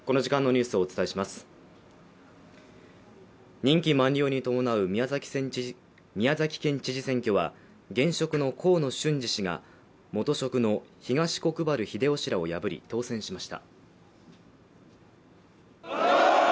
任期満了に伴う宮崎県知事選挙は現職の河野俊嗣氏が元職の東国原英夫氏らを破り当選しました。